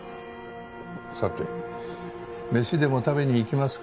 さて飯でも食べにいきますか？